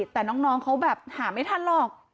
แต่น้องเขาแบบหาไม่ทันหรอก